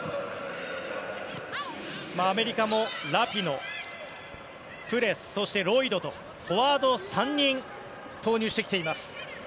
アメリカもラピノ、プレスそしてロイドとフォワード３人投入してきています。